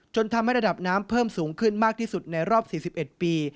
ทำให้ระดับน้ำเพิ่มสูงขึ้นมากที่สุดในรอบ๔๑ปี